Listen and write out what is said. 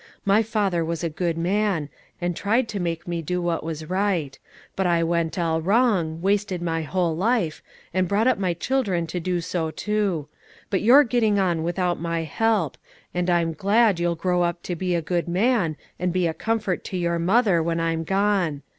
My father was a good man, and tried to make me do what was right; but I went all wrong, wasted my whole life, and brought up my children to do so too; but you're getting on without my help, and I'm glad you'll grow up to be a good man, and be a comfort to your mother when I'm gone.